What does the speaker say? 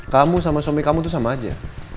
kamu sama suami kamu itu sama aja